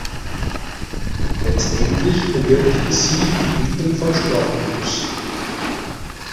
Letztendlich bewirkte sie die Bildung von Sportclubs.